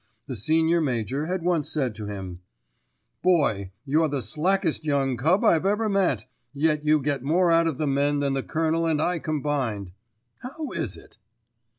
The Senior Major had once said to him: "Boy, you're the slackest young cub I've ever met, yet you get more out of the men than the Colonel and I combined. How is it?"